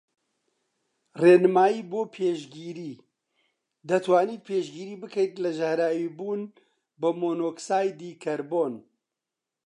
ڕێنمایی بۆ پێشگری:دەتوانیت پێشگری بکەیت لە ژەهراویبوون بە مۆنۆکسایدی کەربۆن